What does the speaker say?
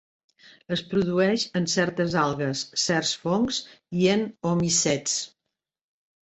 Es produeix en certes algues, certs fongs i en oomicets.